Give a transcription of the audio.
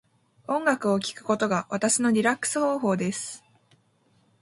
音楽を聴くことが私のリラックス方法です。